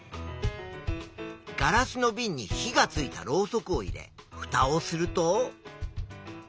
ガラスのビンに火がついたろうそくを入れフタをすると。